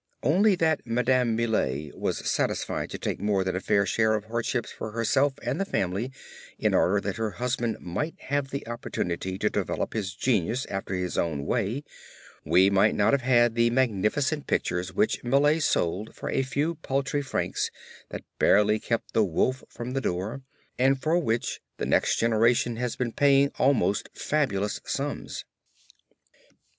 Only that Madame Millet was satisfied to take more than a fair share of hardships for herself and the family in order that her husband might have the opportunity to develop his genius after his own way, we might not have had the magnificent pictures which Millet sold for a few paltry francs that barely kept the wolf from the door, and for which the next generation has been paying almost fabulous sums.